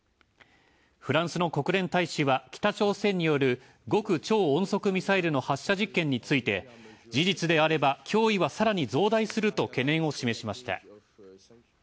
フランスの国連大使は北朝鮮による極超音速ミサイルの発射実験について「事実であれば脅威はさらに増大する」と懸念を示しました。